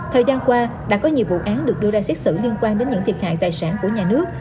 thời gian qua đã có nhiều vụ án được đưa ra xét xử liên quan đến những thiệt hại tài sản của nhà nước